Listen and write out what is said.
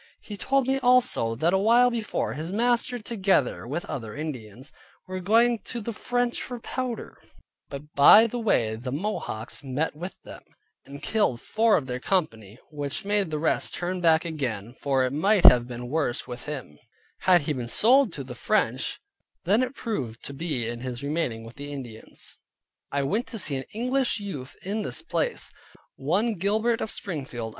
He told me also, that awhile before, his master (together with other Indians) were going to the French for powder; but by the way the Mohawks met with them, and killed four of their company, which made the rest turn back again, for it might have been worse with him, had he been sold to the French, than it proved to be in his remaining with the Indians. I went to see an English youth in this place, one John Gilbert of Springfield.